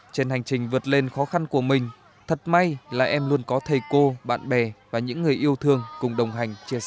trên hành trình vượt lên khó khăn của mình thật may là em luôn có thầy cô bạn bè và những người yêu thương cùng đồng hành chia sẻ